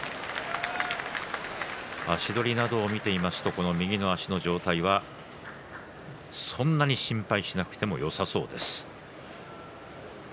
足取りなど見ていると右の足の状態はそんなに心配しなくてもよさそうです。